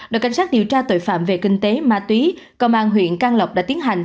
đội cảnh sát điều tra tội phạm về kinh tế ma túy công an huyện can lộc đã tiến hành